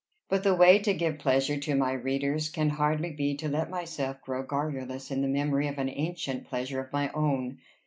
But the way to give pleasure to my readers can hardly be to let myself grow garrulous in the memory of an ancient pleasure of my own.